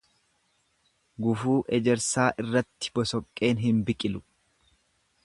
Gufuu ejersaa irratti bosoqqeen hin biqilu.